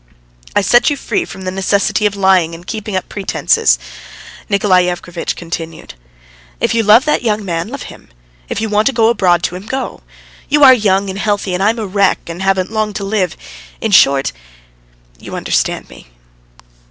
"I set you free from the necessity of lying and keeping up pretences," Nikolay Yevgrafitch continued. "If you love that young man, love him; if you want to go abroad to him, go. You are young, healthy, and I am a wreck, and haven't long to live. In short ... you understand me."